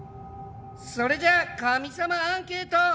それじゃあ神様アンケート！